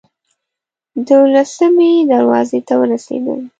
دولسمې دروازې ته ورسېدم.